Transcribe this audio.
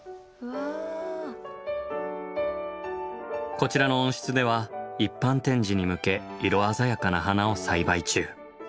こちらの温室では一般展示に向け色鮮やかな花を栽培中。